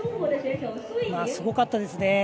すごかったですね。